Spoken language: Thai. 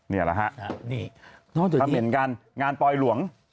นี่แหละฮะนี่คำเห็นกันงานปลอยหลวง